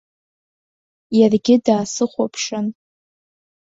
Иаргьы даасыхәаԥшын.